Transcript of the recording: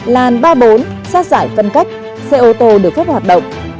làn ba mươi bốn sát giải phân cách xe ô tô được phép hoạt động